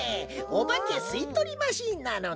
おばけすいとりマシーンなのだ！